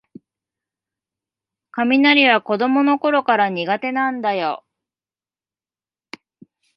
雷は子どものころから苦手なんだよ